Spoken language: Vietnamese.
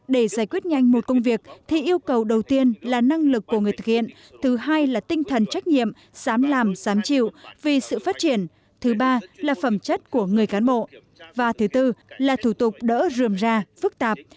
để giải quyết nhanh một công việc thì yêu cầu đầu tiên là năng lực của người thực hiện thứ hai là tinh thần trách nhiệm dám làm dám chịu vì sự phát triển thứ ba là phẩm chất của người cán bộ và thứ tư là thủ tục đỡ rươm ra phức tạp